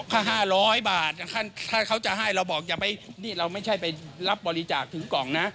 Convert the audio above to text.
ค่า๕๐๐บาทถ้าเขาจะให้เราบอกอย่าไปนี่เราไม่ใช่ไปรับบริจาคถึงกล่องนะ